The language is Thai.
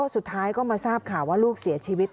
สุดท้ายก็มาทราบข่าวว่าลูกเสียชีวิต